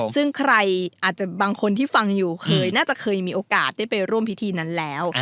ซึ่งใครอาจจะบางคนที่ฟังอยู่เคยน่าจะเคยมีโอกาสได้ไปร่วมพิธีนั้นแล้ว